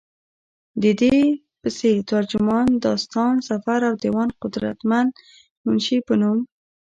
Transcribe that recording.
ددې پسې، ترجمان، داستان سفر او ديوان قدرمند منشي پۀ نوم